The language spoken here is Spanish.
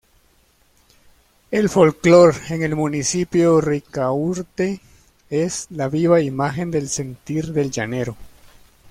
El folclore en el Municipio Ricaurte es la viva imagen del sentir del llanero.